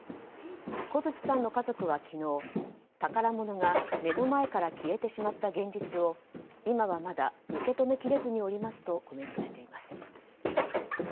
小槌さんの家族は昨日宝物が目の前から消えてしまった現実を今はまだ受け止めきれずにいますとコメントしています。